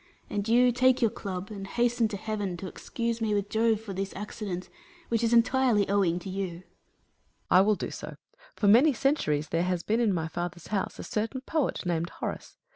And you, take your club, and hasten to heaven to excuse me with Jove for this accident, which is entirely owing to you. Hercules. I will do so. For many centuries there has been in my father's house a certain poet, named Horace.